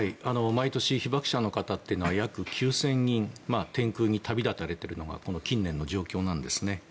毎年、被爆者の方は約９０００人天空に旅立たれているのがこの近年の状況なんですね。